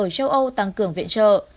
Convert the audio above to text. ở châu âu tăng cường viện trợ